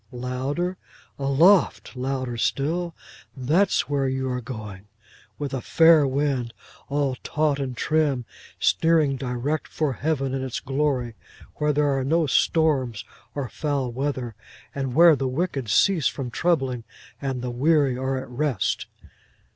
'—louder: 'aloft!'—louder still: 'That's where you are going—with a fair wind,—all taut and trim, steering direct for Heaven in its glory, where there are no storms or foul weather, and where the wicked cease from troubling, and the weary are at rest.